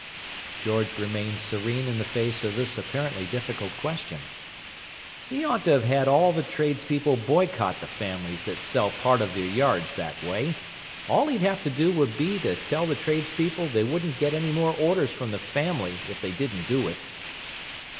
George remained serene in the face of this apparently difficult question. "He ought to have all the trades people boycott the families that sell part of their yards that way. All he'd have to do would be to tell the trades people they wouldn't get any more orders from the family if they didn't do it."